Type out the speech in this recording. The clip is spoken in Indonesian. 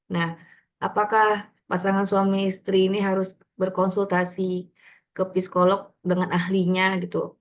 nah apakah pasangan suami istri ini harus berkonsultasi ke psikolog dengan ahlinya gitu